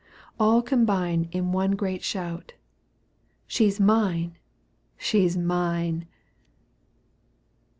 All combine In one great shout : she's mine ! she's mine